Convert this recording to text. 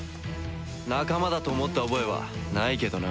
仲間だと思った覚えはないけどな。